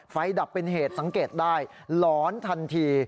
ดับเป็นเหตุสังเกตได้หลอนทันที